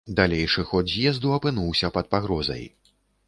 Далейшы ход з'езду апынуўся пад пагрозай.